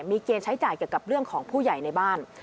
มีเกณฑ์ใช้จ่ายเกี่ยวกับเรื่องของผู้ใหญ่ในบ้าน